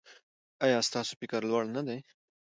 ایا ستاسو فکر لوړ نه دی؟